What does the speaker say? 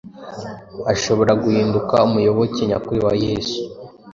ashobora guhinduka umuyoboke nyakuri wa Yesu.